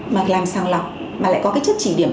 mà làm sàng lọc mà lại có cái chức chỉ điểm